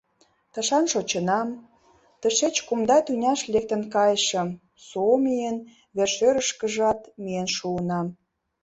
— Тышан шочынам, тышеч кумда тӱняш лектын кайышым, Суомин вер-шӧрышкыжат миен шуынам.